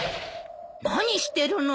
何してるのよ。